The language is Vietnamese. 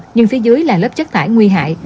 nhưng phía dưới là lớp chất thải nguy hại